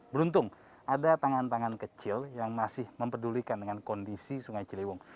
beruntung ada tangan tangan kecil yang masih mempedulikan dengan kondisi sungai ciliwung